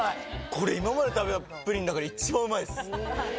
これ今まで食べたプリンの中で一番うまいです。